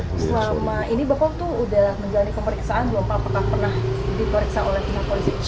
ini bapak waktu itu sudah menjalani pemeriksaan juga pak apakah pernah diperiksa oleh pihak polisi